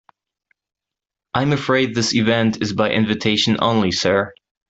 I'm afraid this event is by invitation only, sir.